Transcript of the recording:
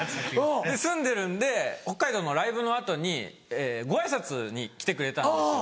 住んでるんで北海道のライブの後にご挨拶に来てくれたんですよ。